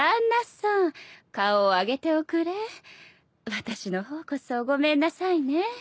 私の方こそごめんなさいね。